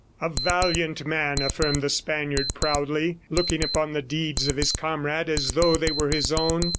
"A valiant man!" affirmed the Spaniard proudly, looking upon the deeds of his comrade as though they were his own.